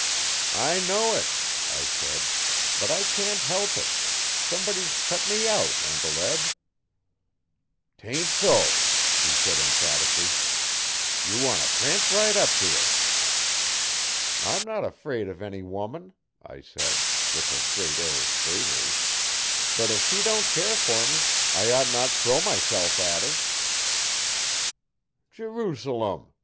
'I know it' I said' 'but I can't help it. Somebody's cut me out Uncle Eb.' ''Tain't so,' said he emphatically. 'Ye want t' prance right up t' her.' 'I'm not afraid of any woman,' I said, with a great air of bravery, 'but if she don't care for me I ought not to throw myself at her.' 'Jerusalem!'